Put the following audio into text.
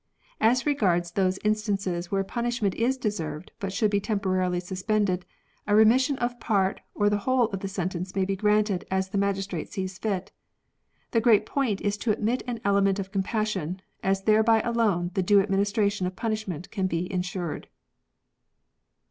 As regards those instances where punishment is deserved but should be temporarily suspended, a re mission of i^art or the whole of the sentence may be granted as the magistrate sees fit. The great point is to admit an element of com passion, as thereby alone the due administration of punishment can be ensured."